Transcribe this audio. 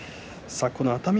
熱海